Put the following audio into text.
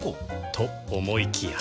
と思いきや